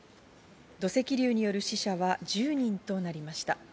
土石流による死者は１０人となりました。